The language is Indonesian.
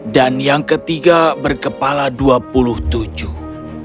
dan yang ketiga berkepala dua puluh tujuh